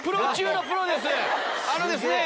あのですね